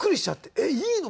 えっいいの？